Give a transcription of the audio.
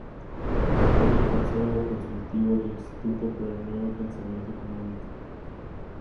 Está en el consejo consultivo del Instituto para el Nuevo Pensamiento Económico.